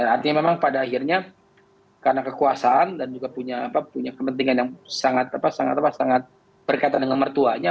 artinya memang pada akhirnya karena kekuasaan dan juga punya kepentingan yang sangat berkaitan dengan mertuanya